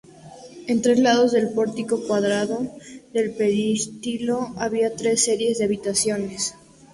En tres lados del pórtico cuadrado del peristilo había tres series de habitaciones.